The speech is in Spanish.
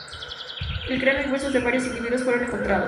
Un cráneo y huesos de varios individuos fueron encontrados.